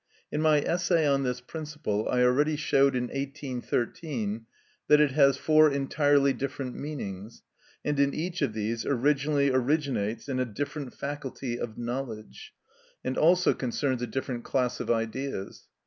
In my essay on this principle, I already showed in 1813 that it has four entirely different meanings, and in each of these originally originates in a different faculty of knowledge, and also concerns a different class of ideas.